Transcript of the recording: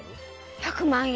１００万円？